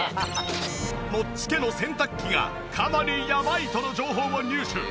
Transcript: ノッチ家の洗濯機がかなりやばいとの情報を入手。